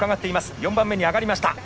４番目に上がりました。